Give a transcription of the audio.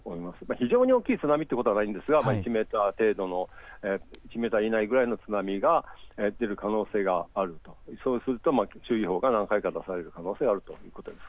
非常に大きい津波ということはないんですが１メーター以内くらいの津波が来る可能性がある、そうすると注意報が何回か出される可能性があるということです。